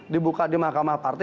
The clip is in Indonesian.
dibuka di mahkamah partai